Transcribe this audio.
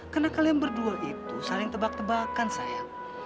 karena kalian berdua itu saling tebak tebakan sayang